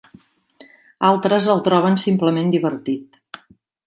Altres el troben simplement divertit.